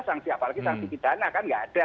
sanksi apalagi sanksi pidana kan nggak ada